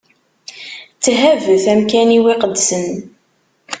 Tthabet amkan-iw iqedsen.